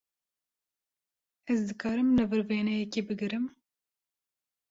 Ez dikarim li vir wêneyekî bigirim?